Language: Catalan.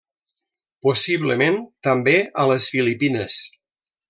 Possiblement, també, a les Filipines.